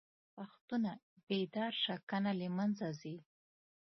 پښتونه!! بيدار شه کنه له منځه ځې